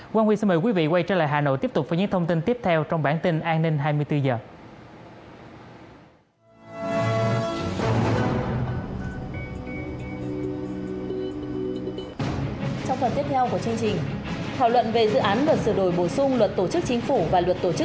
quang huy xin mời quý vị quay trở lại hà nội tiếp tục với những thông tin tiếp theo trong bản tin an ninh hai mươi bốn giờ